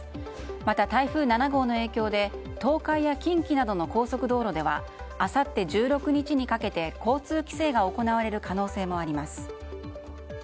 また、台風７号の影響で東海や近畿などの高速道路ではあさって１６日にかけて交通規制が行われる可能性もあります。